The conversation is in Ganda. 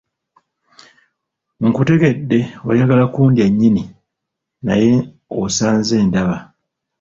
Nkutegedde oyagala okundya nnyini, naye osanze ndaba.